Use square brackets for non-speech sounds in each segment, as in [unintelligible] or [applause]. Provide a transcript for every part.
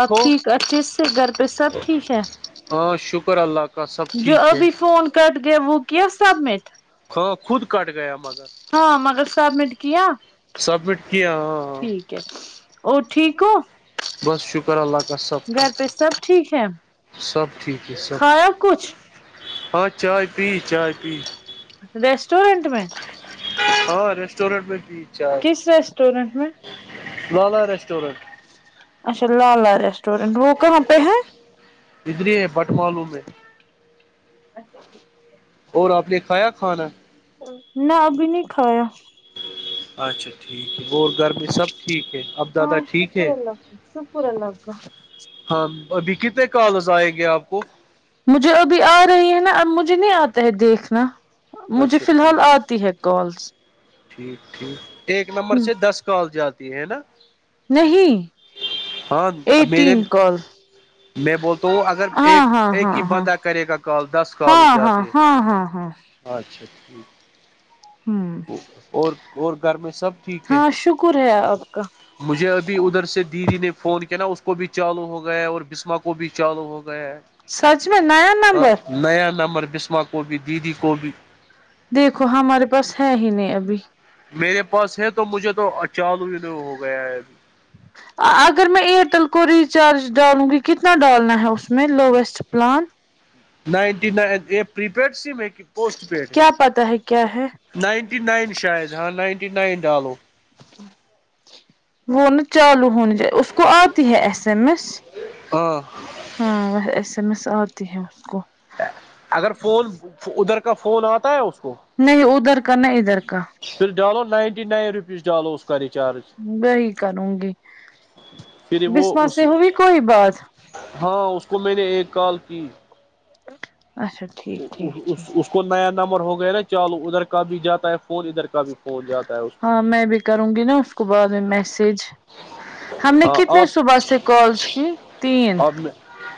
آپ ٹھیک اھے سے گھر پہ سب ٹھیک ہے ہاں شکر اللہ کا سب ٹھیک ہے کرٹ گیا وکیس سبمٹ خ خود کٹ گیا م ہاں مگر سب مٹ کی سبمٹ کیا ہاں ہاں ٹھیک ہے اور ٹھیک ہو بس شکر اللہ کا سب گھر ٹھیک پہ ہے سب ٹھیک ہے سب ٹھیک ہے سب کھایا کچھ ٹھیکہاں چائے پی چائے پی ریسٹورنٹ میں ہاں ریسٹورینٹ میں پی چائے کس ریسٹورینٹ میں لالا ریسٹورینٹ اچا لالا ریسٹورینٹ میں وہ کہاں پہ ہیں ادری ہے بٹ مالو میں اور آپ نے کھایا کھانا نہ ابھی نہیں کھایا اچھا ٹھیک ہے وہ گھر میں سب ٹھیک ہے اب دادا ہاں ٹھیک شکر ہے اللہ کا شکر اللہ کا ہاں ابھی کتنے کالز آئیں گے آپ کو مجھے ابھی آ رہی ہے نا اب مجھے نہیں آتا ہے دیکھنا مجھے اچھا فی الحال ٹھیک آتی ہے کالس ٹھیک ٹھیک ایک نمبر سے دس کال جاتی ہے ہے نا نہیں ہاں میرے ایٹین کال میں بولتا اگر ہاں ایک ہاں ایک ہاں ہی ہاں بندہ کرے گا کال دس کالس ہاں ہاں جاتی ہے ہاں ہاں ہاں اچھا ٹھیک ہوں اور اور گھر میں سب ٹھیک ہے ہاں شکر ہے آپ کا مجھے ابھی ادھر سے جی دیدی نے فون کیا نا اس کو بھی چالو ہو گیا ہے اور بسما کو بھی چالو ہو گیا ہے سچ میں نیا نمبر نیاں نمبر بسم کوبی دیدی کوبی دیکھو ہمارے پاس ہے ہی نہیں ابھی میرے پاس ہے تو مجھے تو چالو ہو گیا ہے اب اگر میں ائٹل ک ریچارج ڈالوں جی یہ کتنا ڈالا ہے اس میں لویسٹ پلان [unintelligible] پیڈ ہے کیا پتاہ ہے کیا ہے نائنٹی نائن شاید ہاں نائنٹی نائن ڈالو وہ نا چالو ہونے جائے اس کو آتی ہے ایس ایم ایس ہاں ہاں ایس ایم ایس آتی ہے اس کو اگر فون ادھر کا فون آتا ہے اس کو نہیں ادھر کا نہیں ادھر کا پھر ڈالو نائنٹی نائن روپیز ڈالو اس کا ریچارج وہی کروں گی پھر وہ بسماس اس ہو بھی کوئی بات ہاں اس کو میں نے ایک کال کی اچھا ٹھیک ٹھیک ٹھیک اس کو نیا نمبر ہو گیا نا چالو ادھر کا بھی جاتا ہے فون ادھر کا کا بھی پھوول جاتا ہے اس کو ہاں میں بھی کروں گی نا اس کو بعد میں میسج ہم نے ہاں کتنے آپ صبح سے کالس کی تین اب میں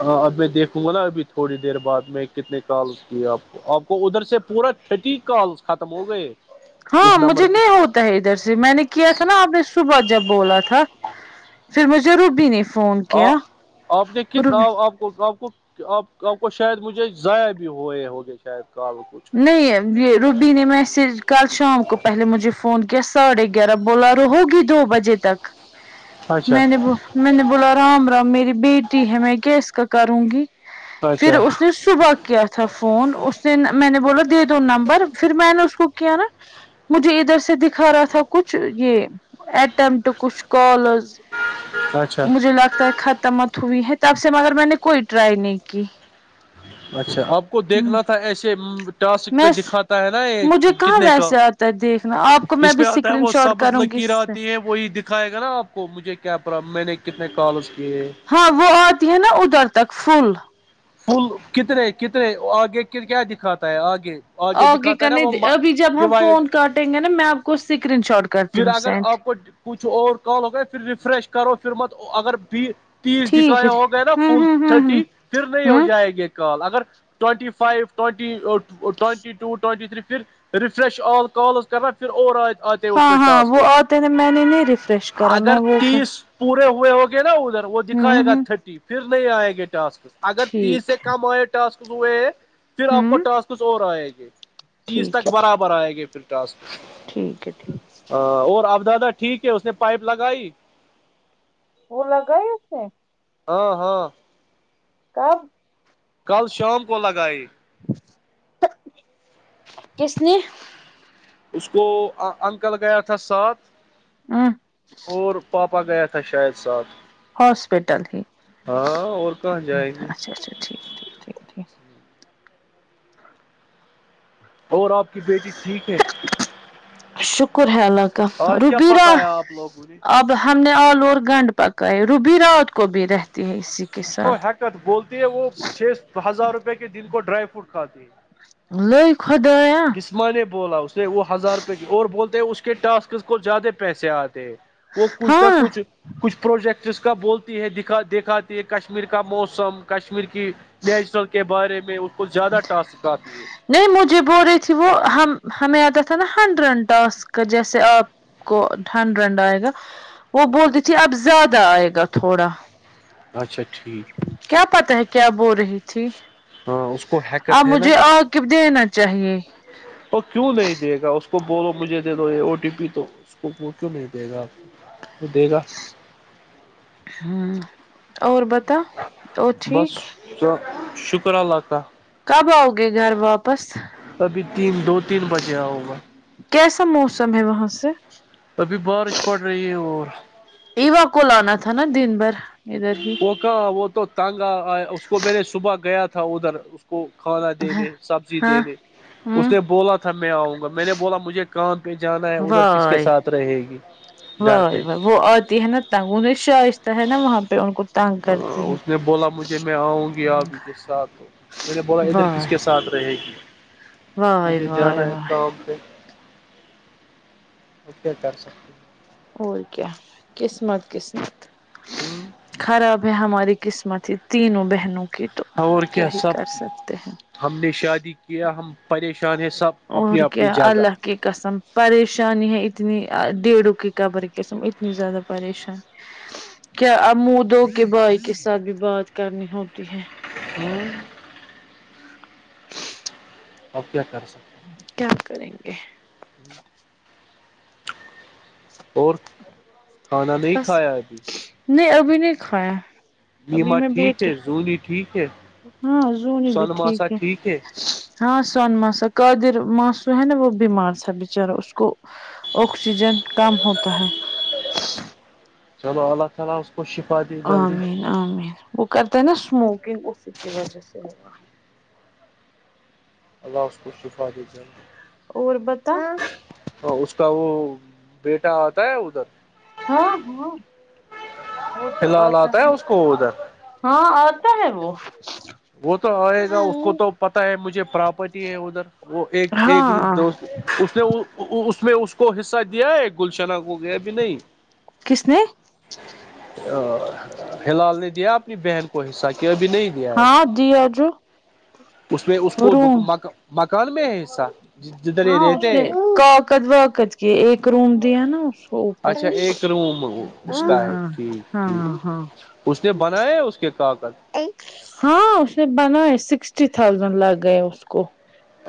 ہاں اب میں دیکھوں گا نا ابھی تھوڑی دیر بعد میں کتنے کال کی آپ آپ کو ادھر سے پورا تھٹی کالس ختم ہو گئے ہاں اس نمبر مجھے پہ نہیں ہوتا ادھر سے میں نے کیا تھا نا آپ نے صبح جب بولا تھا پھر مجھے رب نہیں آ آپ دیکھیے آ آپ آپ کو آپ آپ کو شاید مجھے ضائع بھی ہوئے ہو گے شاید کال کچ نہیں یہ روبی نے میں سے کل شام کو پہلے مجھے فون کیا ساڑھے بولا رہو ہوگی دو بجے تک اچھا میں نے بولا میں نے بولا رام رام میری بیٹی ہے میں کیا اس کا کروں گی پھر اچھا اس صبح کیا تھا فون اس نے میں نے بولا دے دو نمبر پھر میں نے اس کو کیا نا مجھے ادھر سے دکھا رہا تھا کچھ یہ اٹیمپٹ کچھ کالز اچھا مجھے لگتا ہے خت مت ہوئی ہے تب سے مگر میں نے کوئی ٹرائی نہیں کی اچھا آپ کو ہمم دیکھنا تھا ایسے ٹاسک پہ میں دکھاتا ہے نا یہ مجھے کہاں کتنے کا ویسے آتا ہے دیکھنا آپ کو میں اس بھی پہ آتا ہے اسکرین وہ شاٹ سب کروں گی اس لکیر سے آتی ہے وہی دکھائے گا نا آپ کو مجھے کیا پرلم میں نے کتنے کالز کی ہے ہاں وہ آتی ہے نا ادھر تک فل پل کتنے کتنے آگے کیا دکھاتا ہے آگے آگے دکھاتا ہے نا کرنے وہ ابھی جب ہم ڈیوائڈ فون کاٹیں گے نا میں آپ کو اسکرین شاٹ کرتی پھر ہوں اگر سینڈ آپ کو کچھ اور کال ہو گیا پھر ریفریش کرو پھر مت اگر بھی تیس ٹھیک ہے دکھایا ہو گئے نا ہمم فل ہمم ہمم تھرٹی ہمم نہیں ہو ہمم جائے گی کال اگر twenty five twenty twenty two twenty three پھر ریفریش آل کالز کرنا پھر اور آئے آتے اس ہاں م ہاں وہ ٹاسکس آتے نا میں نے نہیں ریفریش کرا میں اگر وہ کر تیس پورے ہوئے ہوگے نا ادھر وہ ہمم دکھائےائے گا ہمم تھرٹی پھر نہیں آئے گے ٹسک اگر تیس ٹھیک سے کم آئے ٹاسک ہوئے پھر آپ کو ہمم ٹاسکس اور آئے گے تیس تک ٹھیک ہے ٹھیک برابر آئے گے پھر ٹاس ٹھیک ہے ٹھیک ہ اور اب دادا ٹھیک ہے اس نے پائپ لگائی وہ لگا ہی اس نے ہ ہاں کم کل شام کو لگائی کسنی اس کو انکل گیا تھا سات ہاں اور پاپا گیا تھا شاید ساتھ ہاسپٹل ہی ہاں اور کہاں جائیں گے اچھا اچھا ٹھیک ٹھیک ٹھیک ٹھیک اور آپ کی بیٹی ٹھیک ہے شکر ہے اللہ کا آج کیا روبیرہ پکایا آپ لوگوں نے آپ ہم نے آل اوور گنڈ پکا ہے روبی رات کو بھی رہتی ہے اسی کے اس کو ساتھ حیکت بولتی ہے وہ چھس ہزار روپے کے دن کو ڈرائی فروٹ کھاتی ہے لئی خھدایا اسما نے بولا اس نے وہ ہزار روپئے کی اور بولتے اس کے ٹاسک کو زیادہ پیسے آتے وہ کچھ نہ ہاں کچھ کچھ پروجیکٹ اس کا بولتی ہے دکھا دکھاتی ہے کشمیر کا موسم کشمیر کی نیچرل کے بارے میں اس کو زیادہ ٹاسککھاتتی ہے نہیں مجھے بول رہی تھی وہ ہم ہمیں آتا تھا نا ہنڈرینڈ ٹاسک جیسے آپ کو ڈٹھنڈ ڈنڈ آئے گا وہ بولتی تھی اب زیادہ آئے گا تھوڑا اچھا ٹھیک کیا پتاہ ہے کیا بول رہی تھی ہاں اس کو آ حیکت ہے نا مجھے آکب دینا چاہیے وہ کیوں نہیں دے گا اس کو بولو مجھے دے دو یہ او ٹی پی تو اس کو وہ کیوں نہیں دے گا وہ دے گا ہ اور بتا اور بس ٹھیک شکر اللہ کب آؤ گے گھر واپس تال ابھی تین دو تین بجے ہوگا کیسا موسم ہے وہاں سے ابھی بارش پڑ رہی ہے اور ایوا کول آنا تھا نا دن بھر ادھر ہی کہا وہ تو تانگا اس کو میں نے صبح گیا تھا ادھر کو کھانا دینے سبزی ہاں دینے اس ہوں نے بولا تھا میں آؤں گا میں نے بولا مجھے کان پہ جانا ہے ادھر کس کے وائے ساتھ رہے گی گھر وائے پہ وائے وہ آتی ہے نا [unintelligible] تگون شاہ ہے نا وہاں پہ ان کو تانگ کرتی ہیں اس نے بولا مجھے میں آؤں گی آپ ہی کے ساتھ تو میں نے بولا ادھر کس کے ساتھ رہے گی واہ مجھے واہ جانا ہے واہ کام پہ اے کر سکتے ہیں [unintelligible] اور کیا قسمت قسمت ہوں [unintelligible] خراب ہے ہماری قسمت ہی تینوں بہنوں کی تو اور کیا ہی سب کر سکتے ہیں ہم شادی کیا ہم پریشان ہیں سب اپنی اور اپنی کیا جگہ اللہ کی قسم پریشانی ہے اتنی ڈیڑھوں کی قبر کےسم اتنی زیادہ پریشانی کیا امودو کے بھائی کے ساتھ بھی بات کرنی ہوتی ہے ہوں [unintelligible] اپ کیا کر سکتے [unintelligible] کیا کریں گے [unintelligible] اور [unintelligible] بس کھایا ابھی نہیں ابھی نہیں کھایا ابھی نیما میں ٹھیک ہے بیٹے زنی ٹھیک ہے ہاں زنی بھی ٹھیک ہے ہاں سون ماسا کاادر ماسو ہے نا وہ بیمار تھا بچارا اس کو آکسیجن کم ہوتا ہے چلو اللہ تعالیظ کو شپا دی امین امین وہ کرتا ہے نا اسموکنگ اس وجہ سے اللہہ اس کو شفا د دیتں اور بت ہ اس کا وہ بیٹا آتا ہے ادھر ہاں ہاں فیلحال آتا ہے اس کو ادھر ہاں اور تو ہےبو وہ تو آئے گا اس کو تو پتاہ ہے مجھے پراپرٹی ہے ادھر وہ ایک ایک د ہاں دوست اس نے وہ اس میں اس کو حصہ دیا ہے گلشناہ کو گیا بھی نہیں کس نے ا فیلال نے دیا اپنی بہن کو حصہ کیا ابھی نہیں دیا ہے ہاں جی اجو اس میں اس کو دک مک مکان میں ہے حصہ جدھر یہ ہاں اس رہتے نے ہے کاقد واقد کے ایک روم دیا نا اس کو اوپر اچھا ایک روم اس ہاں کا ہے ٹھیک ہاں ٹھیک ہاں اس نے بناائے ہے اس کے کاغذ ہاں اس نے بناائے سکسٹی تھازینڈ لگ گئے اس کو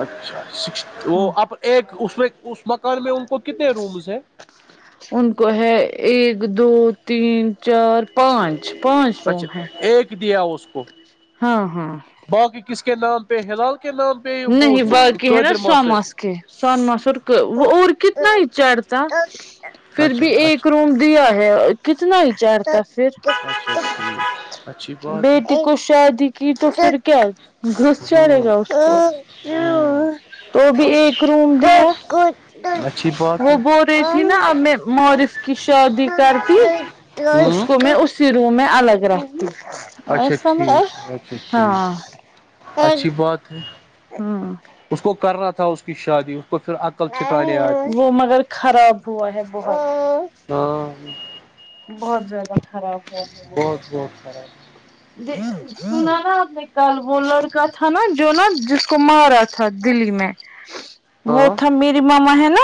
اچھا س ہ وہ اب ایک اس اس مکان میں ان کو کتنے رومز ہیں ان کو ہے ایک دو تین چار پانچ پانچ روم اچھا ہے ایک دیا اس ہاں ہاں بقی کس کے نام پ ہے حلال کےے نام پ بت س قادر ماس سن ماسر وہ اور کتنا ہی چھتا پھر اچھا بھی ایک اچھا روم دیا ہے کتنا ہی چارتا پھر [unintelligible] اچھا اچھ اچھی [unintelligible] بیٹے کو شادی کی تو پھر کیا گھس چھے ہوں گا اس کو [unintelligible] ہ تو بھی ایک روم د [unintelligible] بہت [unintelligible] رہ تھی نا اب میں مارف کی شادی کرتی اس ہوں کو میں اس [unintelligible] سرو میں الگ رہتی ہے اچھا ٹھیک اچھا ہاں ٹھیک اچھی بات ہے ہمم اس کو کرنا تھا اس کی شادی کو پھر عقل چٹھکانے آتی وہ مگر خراب ہوا ہے بہت ہاں بہت زیادہ خراب ہے وہ بہت بہت خراب د سنا نا آپ نے کل وہ لڑکا تھا نا جو نا جس کو مارا تھا دلی میں ہ [unintelligible] وہ تھا میری ماما ہے نا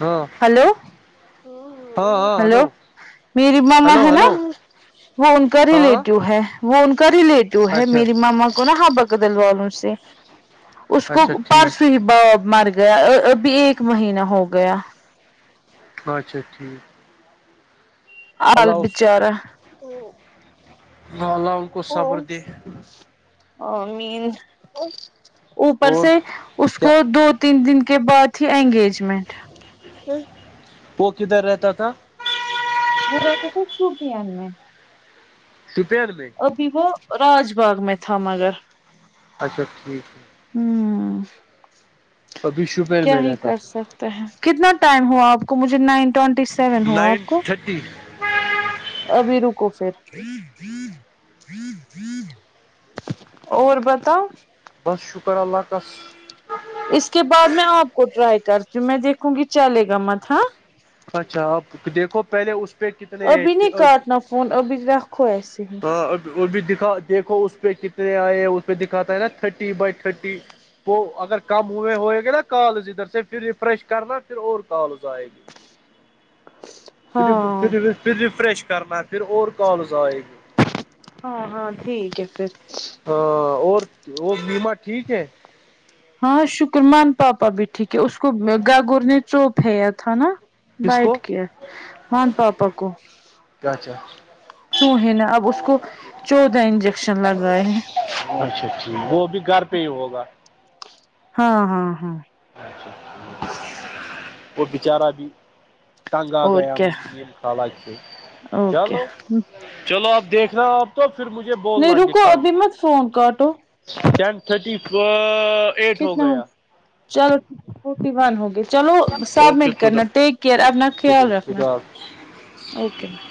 ہاں ہلو ہاں ہاں ہلو [inaudible] میری مما ہلو ہے نا ہلو وہ ان کا ہاں ریلیٹو ہے وہ ان کا ریلیٹو ہے اچھا میری ماما کو نہا ہاں بک گدل والوں سے اس کو اچھا پرسو ٹھیک ہی باب مر گیا ابھی ایک مہینہ ہو گیا اچھا ٹھیک [inaudible] آال اللہ اس بچارا [inaudible] بال ان کو صبر دے [unintelligible] ا مین اوپر اور سے اس کیا کو دو تین دن کے بعد ہی انگیجمنٹ وہ کدھر رہتا تھا وہ رہتا تھا شوپان میں توپیان میں ابھی وہ راج باغ میں تھاا مگر اچھا ٹھیک ہے ہوں ابھی شپین کیا میں ہی رہتا کر تھا سکتے کتنا ٹائم ہوا آپ کو مجھے نائن ٹوینٹی سیون ہوا نائن آپ کو تھرٹی ابھی رکو پھر اور پتا بہ شکپار علاقس اس کے بعد میں آپ کو ٹرائی کرتی ہوں میں دیکھوں گی چلے گا مت ہاں اچھا آپ دیکھو پہلے اس پہ کتنے ابھی نہیں کاٹنا فون ابھی رکھو ایسے ہی ہاں اور بھی دکھا دیکھو اس پہ کتنے آئے اس پہ دکھاتا ہے نا تھرٹی بائی تھرٹی وہ اگر کم ہوئے ہوئے گے نا کال ادھر سے پھر ریفریش کرنا پھر اور کغز آئے گی ھر ہاں پھر ریفریش کرنا پھر اور کالز آئے گی ہاں ہاں ٹھیک ہے پھر ہاں اور اور بیمہ ٹھیک ہے ہاں شکر من پاپا بھی ٹھیک ہے اس کو گاگور نے چوپیا تھا نا کس بیٹٹ کو کے مان پاپا کو اچھا چوہے نا اب اس کو چودہ انجیکشن لگائے ہیں اچھا ٹھیک وہ بھی گھر پہ ہی ہوگا ہاں ہاں ہاں وہ بچارا بھی تنگ آ اور گیا کیا خالہ کے اوکے چلو چلو اپ دیکھنا آپ تو پھر مجھے نہیں بولنا رکو دکھا ابھی مت فون کاٹو ٹین تھرٹی ف کتنا ہو چلو ٹھیک ہے فورٹی ون ہوگی چلو اوکے سبمٹ خدا کرنا ٹیک کیئر اپنا خدا خیال رکھنا خدا حافظ اوکے بھائی